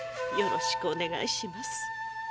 よろしくお願いします。